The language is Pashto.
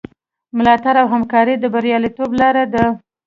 ملاتړ او همکاري د بریالیتوب لاره ده.